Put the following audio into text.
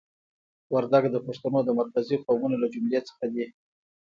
وردګ د پښتنو د مرکزي قومونو له جملې څخه دي.